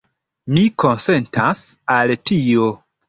Mi konsentas al tio.